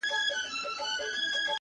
o راسه دوې سترگي مي دواړي درله دركړم،